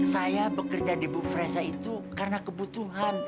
saya bekerja di buffresa itu karena kebutuhan